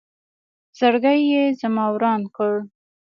زړګې یې زما وران کړ